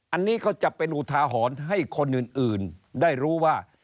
อันนี้ก็จะเป็นอุทาหรณ์ให้คนอื่นได้รู้ว่า